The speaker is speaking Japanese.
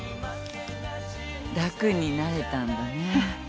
楽になれたんだね。